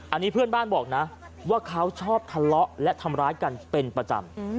อันนี้เพื่อนบ้านบอกนะว่าเขาชอบทะเลาะและทำร้ายกันเป็นประจำ